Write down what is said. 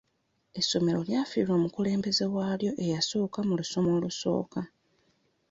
Essomero lyafiirwa omukulembeze walyo eyasooka mu lusoma olusooka.